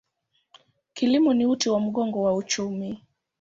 Kilimo ni uti wa mgongo wa uchumi.